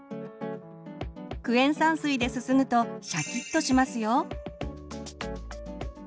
クエン酸水ですすぐとシャキッとしますよ。